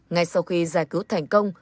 ngay sau khi giải cứu thành công